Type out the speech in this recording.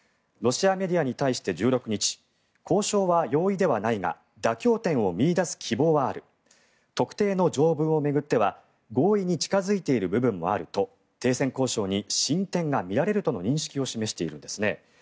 ロシアメディアに対して１６日交渉は容易ではないが妥協点を見いだす希望はある特定の条文を巡っては合意に近付いている部分もあると停戦交渉に進展が見られるとの認識を示しているんですね。